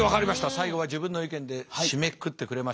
最後は自分の意見で締めくくってくれました。